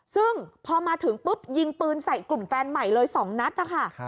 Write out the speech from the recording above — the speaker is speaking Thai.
ซึ่งพอมาถึงปุ๊บยิงปืนใส่กลุ่มแฟนใหม่เลย๒นัดนะคะ